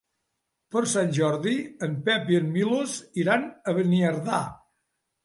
Per Sant Jordi en Pep i en Milos iran a Beniardà.